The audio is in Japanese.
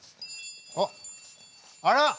あっあら！